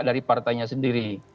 dari partainya sendiri